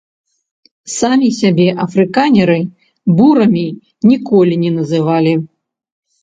Самі сябе афрыканеры бурамі ніколі не называлі.